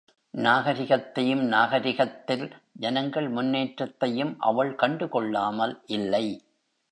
நாகரிகத்தையும், நாகரிகத்தில் ஜனங்கள் முன்னேற்றத்தையும் அவள் கண்டுகொள்ளாமல் இல்லை.